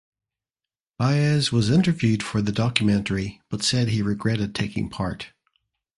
Baez was interviewed for the documentary but said he regretted taking part.